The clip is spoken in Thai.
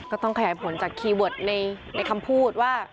ก็ต้องขยายผลจากคีย์เวิร์ดในคำพูดว่า